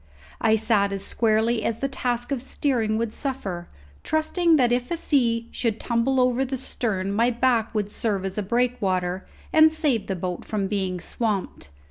I sat as squarely as the task of steering would suffer, trusting that if a sea should tumble over the stern my back would serve as a breakwater, and save the boat from being swamped.